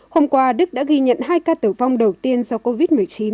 hôm qua đức đã ghi nhận hai ca tử vong đầu tiên do covid một mươi chín